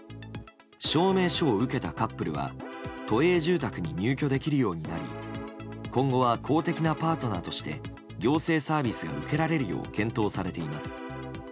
証明書を受けたカップルは都営住宅に入居できるようになり今後は公的なパートナーとして行政サービスが受けられるよう検討されています。